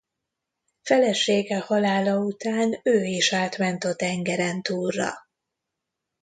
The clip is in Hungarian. Felesége halála után ő is átment a tengerentúlra.